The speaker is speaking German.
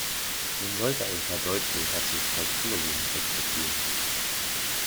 Man sollte ein paar Deutschlehrer zum Korrekturlesen rekrutieren.